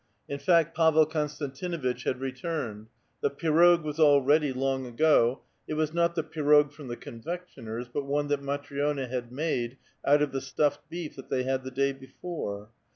In fact Pavel Konstantinuitch had returned; the pirog was all ready long ago ; it was not the pirog from the confectioner's, but one that Matri6na had made out of the staffed beef that they had the day before.